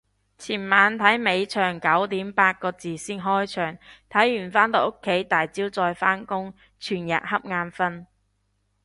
前晚睇尾場九點八個字先開場，睇完返到屋企第朝再返工，全日恰眼瞓